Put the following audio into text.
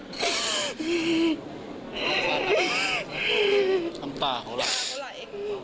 น้ำตาเท่าไร